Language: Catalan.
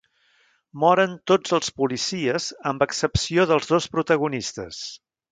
Moren tots els policies amb excepció dels dos protagonistes.